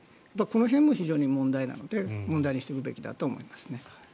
この辺も非常に問題なので問題にするべきだと思います。